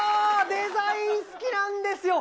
デザイン、好きなんですよ。